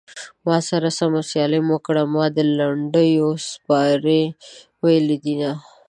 ما سره سمه سيالي مه کړه ما د لنډيو سيپارې ويلي دينه